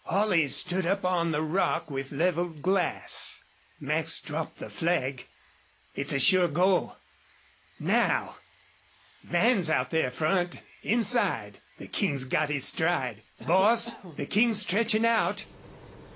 Holley stood up on the rock with leveled glass. "Mac's dropped the flag. It's a sure go. Now! ... Van's out there front inside. The King's got his stride. Boss, the King's stretchin' out!